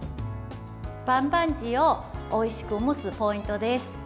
バンバンジーをおいしく蒸すポイントです。